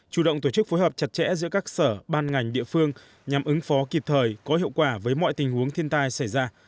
chủ động tổ chức phối hợp chặt chẽ giữa các sở ban ngành địa phương nhằm ứng phó kịp thời có hiệu quả với mọi tình huống thiên tai xảy ra